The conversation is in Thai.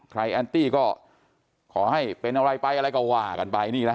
ใครแอนติก็ขอให้เป็นอะไรบ้างไปอะไรก็หว่ากันไป